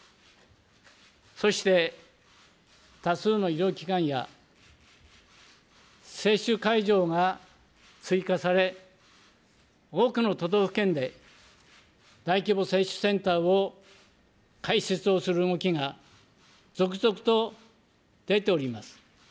そして、多数の医療機関や接種会場が追加され、多くの都道府県で大規模接種センターを開設をする動きが続々と出ております。